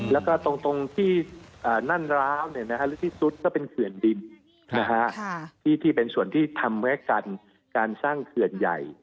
แล้วก็ตรงที่นั่นร้าวหรือที่สุดก็เป็นเขื่อนดินที่เป็นส่วนที่ทำไว้กันการสร้างเขื่อนใหญ่